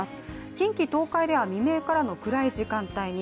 近畿、東海では未明からの暗い時間帯に。